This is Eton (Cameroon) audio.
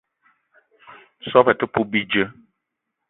Soobo te poup bidjeu.